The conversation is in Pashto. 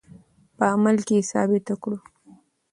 په عمل کې یې ثابته کړو.